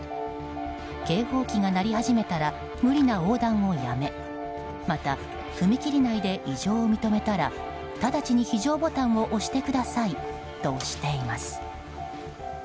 警報機が鳴り始めたら無理な横断をやめまた、踏切内で異常を認めたらただちに非常ボタンを押してくださいとしています。